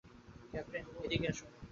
Captain, এদিকে আসুন।